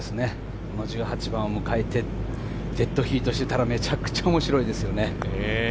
１８番を迎えてデッドヒートしていたらめちゃくちゃ面白いですよね。